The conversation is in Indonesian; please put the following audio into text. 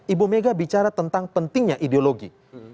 ibu mega bicara tentang pentingnya ideologi